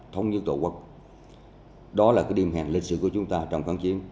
thống như tổ quốc đó là cái điểm hẹn lịch sử của chúng ta trong kháng chiến